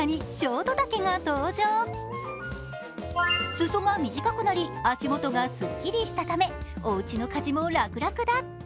裾が短くなり、足元がすっきりしたため、おうちの家事も楽々だ。